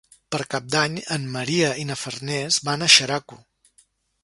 Per Cap d'Any en Maria i na Farners van a Xeraco.